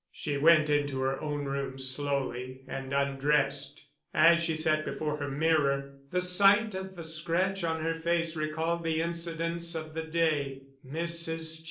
She went into her own rooms slowly and undressed. As she sat before her mirror, the sight of the scratch on her face recalled the incidents of the day. Mrs.